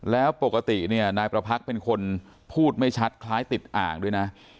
แล้วปกติเนี่ยนายประพักษ์เป็นคนพูดไม่ชัดคล้ายติดอ่างด้วยนะ